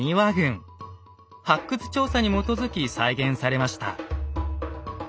発掘調査に基づき再現されました。